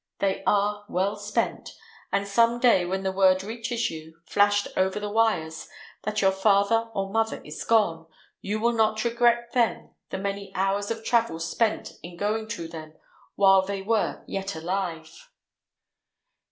They are well spent; and some day when the word reaches you, flashed over the wires, that your father or mother is gone, you will not regret then the many hours of travel spent in going to them while they were yet alive.